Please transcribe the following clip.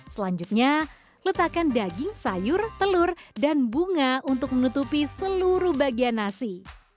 selanjutnya letakkan daging sayur telur dan bunga untuk menutupi seluruh bagian nasi